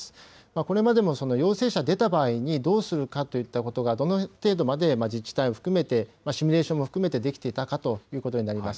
これまでも陽性者、出た場合に、どうするかといったことがどの程度まで、自治体を含めてシミュレーションも含めてできていたかということになります。